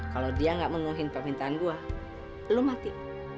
kalo dia gak menguhin permintaan gua lu mati